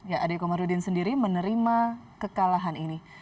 adekomarudin sendiri menerima kekalahan ini